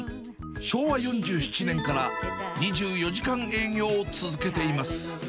昭和４７年から２４時間営業を続けています。